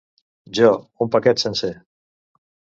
Jo, un paquet sencer!